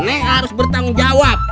neng harus bertanggung jawab